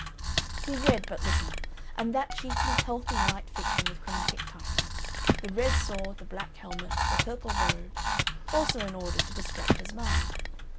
He read but little, and that chiefly healthy light fiction with chromatic titles, The Red Sword, The Black Helmet, The Purple Robe, also in order "to distract his mind."